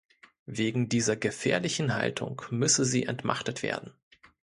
Wegen dieser gefährlichen Haltung müsse sie entmachtet werden.